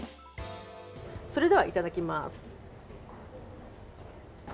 それではいただきます。